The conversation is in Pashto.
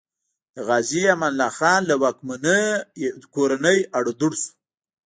د غازي امان الله خان له واکمنۍ نه کورنی اړو دوړ شو.